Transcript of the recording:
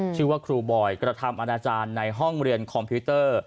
ชื่อว่าครูบอยกระทำอาณาจารย์ในห้องเรียนคอมพิวเตอร์